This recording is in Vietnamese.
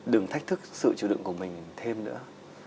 đừng thách thức sự chịu đựng của mình thêm nữa